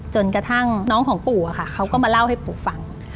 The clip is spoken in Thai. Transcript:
จนกระทั่งน้องของปู่เขาก็มาเล่าให้ปู่ฟัง